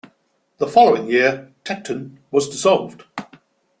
The following year Tecton was dissolved.